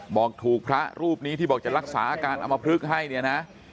บอกถูกพระรูปนี้ที่บอกจะรักษาอาการอมพลึกให้เนี่ยนะ